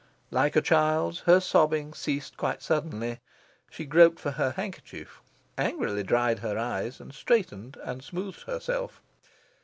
Like a child's, her sobbing ceased quite suddenly. She groped for her handkerchief, angrily dried her eyes, and straightened and smoothed herself.